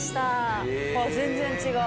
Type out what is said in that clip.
全然違う。